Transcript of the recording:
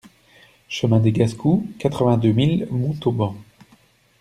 Chemin des Gascous, quatre-vingt-deux mille Montauban